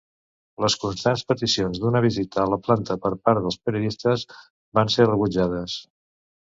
Les constants peticions d'una visita a la planta per part dels periodistes van ser rebutjades.